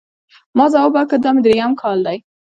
ما ځواب ورکړ، دا مې درېیم کال دی.